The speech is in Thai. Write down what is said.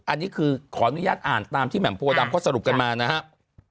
อันนี้คือขออนุญาตอ่านตามที่แหม่มโพดำเขาสรุปกันมานะครับ